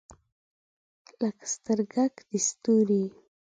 لکه سترګګ د ستوری